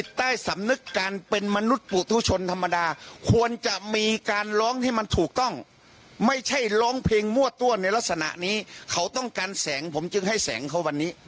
ดูลักษณะนี้เขาต้องการแสงผมจะให้แสงเขาวันนี้